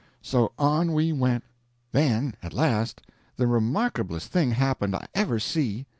So on we went. Then at last the remarkablest thing happened I ever see.